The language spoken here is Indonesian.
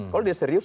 kalau dia serius